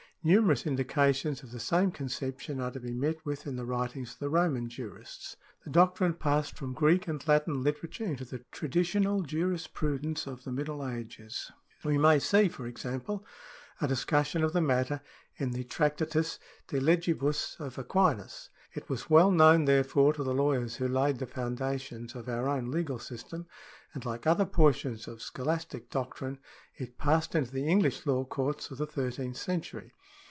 Numerous indications of the same conception are to be met with in the writings of the Roman jurists.^ The doctrine passed from Greek and Latin literature into tlie traditional jurisprudence of the Middle Ages. We may S3e, for example, a discussion of the matter in the Tractaius de Legibus of Aquinas.^ It was well known, therefore, to the lawyers who laid the foundations of our own legal system, and like other portions of scholastic doctrine, it passed into the English law courts of the thirteenth century.